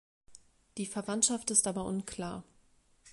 Die Verwandtschaft ist aber unklar.